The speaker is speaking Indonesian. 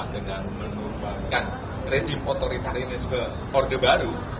dengan menubahkan rejim otoritarisme orde baru